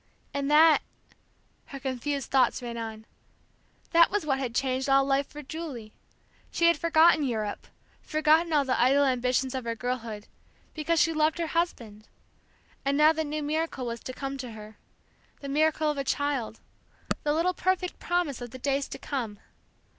And that her confused thoughts ran on that was what had changed all life for Julie. She had forgotten Europe, forgotten all the idle ambitions of her girlhood, because she loved her husband; and now the new miracle was to come to her, the miracle of a child, the little perfect promise of the days to come.